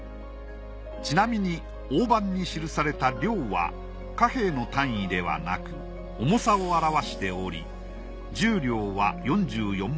ちなみに大判に記された両は貨幣の単位ではなく重さを表しており拾両は４４匁。